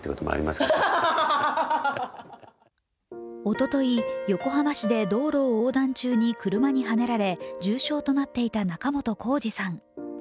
おととい、横浜市で道路を横断中に車にはねられ、重傷となっていた仲本工事さん。